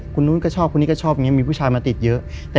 คนนู้นก็ชอบคนนี้ก็ชอบอย่างนี้มีผู้ชายมาติดเยอะ